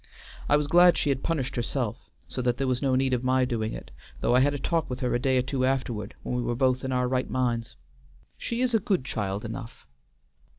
I was glad she had punished herself, so that there was no need of my doing it, though I had a talk with her a day or two afterward, when we were both in our right minds. She is a good child enough."